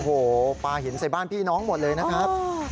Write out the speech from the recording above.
โอ้โหปลาหินใส่บ้านพี่น้องหมดเลยนะครับ